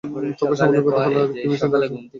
তবে, সামান্য কৌতুহল আরকি, মিশনটা আসলে কী নিয়ে?